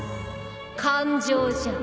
感情じゃ。